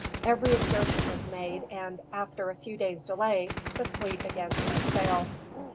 Every exertion was made and, after a few days' delay, the fleet again set sail.